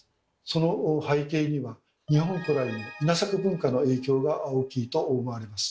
その背景には日本古来の稲作文化の影響が大きいと思われます。